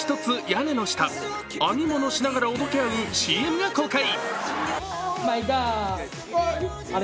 屋根の下、編み物しながらおどけ合うＣＭが公開。